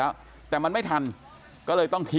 รู้จักกันมาก่อนไหมครับ